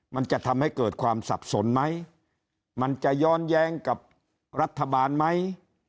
มันจะทำให้เกิดความสับสนไหมมันจะย้อนแย้งกับรัฐบาลไหม